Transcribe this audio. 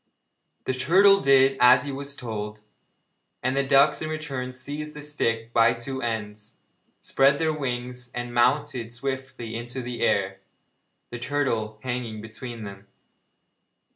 The turtle did as he was told, and the ducks in their turn seized the stick by the two ends, spread their wings and mounted swiftly into the air, the turtle hanging between them.